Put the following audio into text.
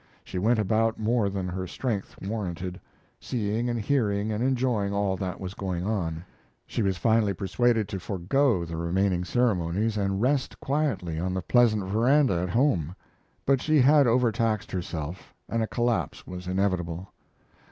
She went about more than her strength warranted, seeing and hearing and enjoying all that was going on. She was finally persuaded to forego the remaining ceremonies and rest quietly on the pleasant veranda at home; but she had overtaxed herself and a collapse was inevitable.